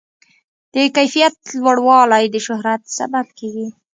د کیفیت لوړوالی د شهرت سبب کېږي.